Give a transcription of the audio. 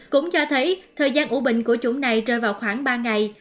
cũng cho thấy thời gian ủ bệnh của chủng này rơi vào khoảng ba ngày